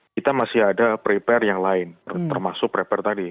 kita masih ada prepare yang lain termasuk prepare tadi